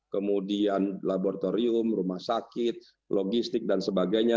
kemudian laboratorium rumah sakit logistik dan sebagainya